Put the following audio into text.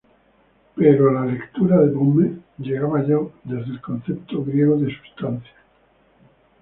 Pero a la lectura de Böhme llegaba yo desde el concepto griego de sustancia.